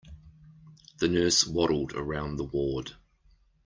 The nurse waddled around the ward.